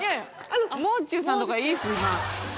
もう中さんとかいいです今。